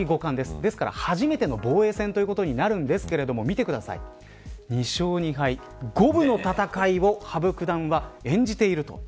ですから、初めての防衛戦ということになるんですけれど２勝２敗、五分の戦いを羽生九段は演じていると。